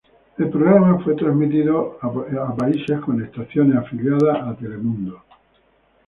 El programa fue transmitido en países con estaciones afiliadas a Telemundo.